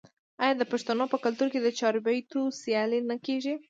آیا د پښتنو په کلتور کې د چاربیتیو سیالي نه کیږي؟